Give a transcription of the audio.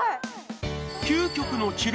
究極のチル